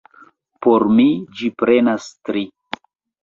Por mi ĝi prenas tri.